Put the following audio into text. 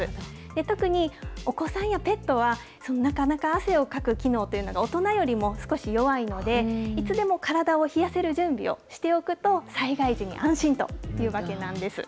特にお子さんやペットは、なかなか汗をかく機能っていうのが大人よりも少し弱いので、いつでも体を冷やせる準備をしておくと、災害時に安心というわけなんです。